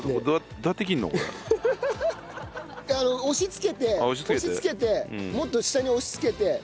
押しつけて押しつけてもっと下に押しつけて。